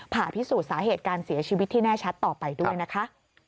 ผ่าพิสูจน์สาเหตุการเสียชีวิตที่แน่ชัดต่อไปด้วยนะคะ